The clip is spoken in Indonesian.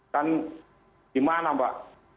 kan di mana mbak